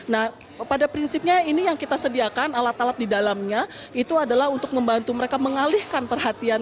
nah pada prinsipnya ini yang kita sediakan alat alat di dalamnya itu adalah untuk membantu mereka mengalihkan perhatian